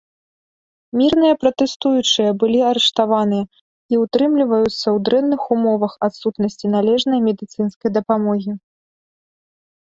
Мірныя пратэстуючыя былі арыштаваныя і ўтрымліваюцца ў дрэнных умовах адсутнасці належнай медыцынскай дапамогі.